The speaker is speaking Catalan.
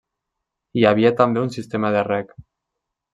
Hi havia també un sistema de reg.